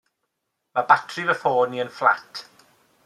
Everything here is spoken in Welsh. Ma' batri fy ffôn i yn fflat.